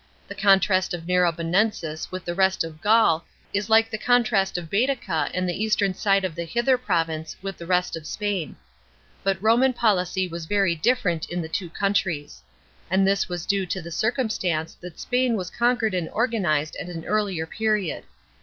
f The contrast of Narbonensis with the rest of Gaul is like the contrast of Baetica and the eastern side of the Hither province with the rest of Spain. But Roman policy was very different in the two countries ; and this was due to the circumstance that Spain was conquered and organised at an earlier period.